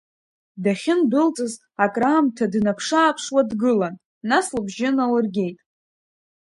Дахьындәылҵыз, акраамҭа днаԥшы-ааԥшуа дгылан, нас лыбжьы налыргеит…